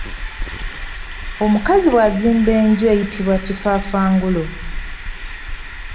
Omukazi bwazimba enju eyitibwa kifaafangulo.